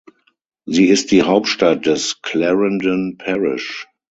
Sie ist die Hauptstadt des Clarendon Parish.